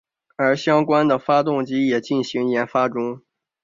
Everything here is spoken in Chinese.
而相关的发动机也进行研发中。